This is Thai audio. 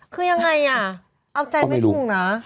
คือยังไงอ่ะเอาใจไม่ถูกนะ